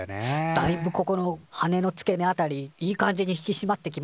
「だいぶここの羽の付け根辺りいい感じに引きしまってきましたよ」とかね。